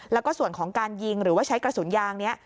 แล้วก็ส่วนของการยิงหรือว่าใช้กระสุนยางนี้